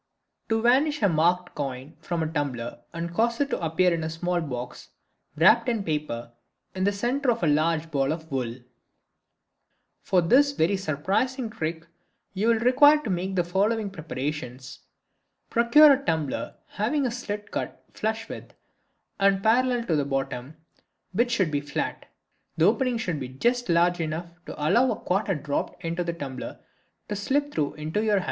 To Vanish a Marked Coin from a Tumbler and Cause it to appear in a Small Box, wrapped in Paper in the Center of a Large Ball of Wool.—For this very surprising trick you will require to make the following preparations: Procure a tumbler having a slit cut flush with, and parallel to, the bottom, which should be flat. The opening should be just large enough to allow a quarter dropped into the tumbler to slip through into your hand.